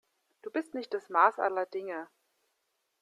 Du bist nicht das Maß aller Dinge.